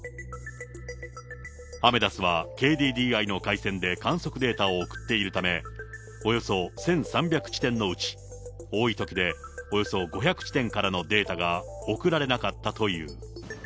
アメダスはＫＤＤＩの回線で観測データを送っているため、およそ１３００地点のうち、多いときでおよそ５００地点からのデータが送られなかったという。